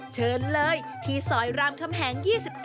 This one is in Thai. เชิญเลยที่ซอยรังคมแถง๒๑